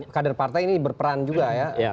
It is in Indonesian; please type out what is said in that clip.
kader partai ini berperan juga ya